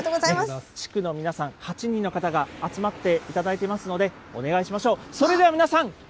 地区の皆さん、８人の方が集まっていただいていますので、お願いしましょう。